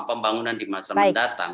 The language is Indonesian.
pembangunan di masa mendatang